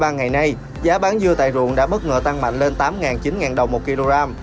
ba ngày nay giá bán dưa tại ruộng đã bất ngờ tăng mạnh lên tám chín đồng một kg